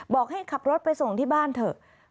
บอกให้ขับรถไปส่งที่บ้านเถอะ